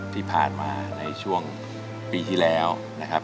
ที่ผ่านมาในช่วงปีที่แล้วนะครับ